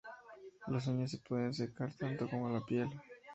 Las uñas se pueden secar, tanto como la piel.